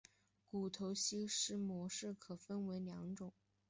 骨头吸收的模式可能有两种。